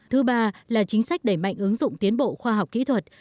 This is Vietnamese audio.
thứ ba là chính sách đẩy mạnh ứng dụng tiến bộ khoa học kỹ thuật